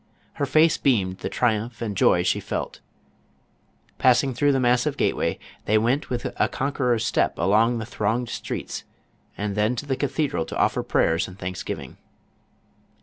Her face beamed the triumph and joy she felt. Passing through the massive gateway, they went with a conqueror's step along the thronged streets, and then to the cathedral to offer prayers and thanksgiving.